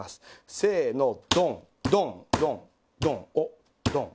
せーのドンドンドンドンおっドン。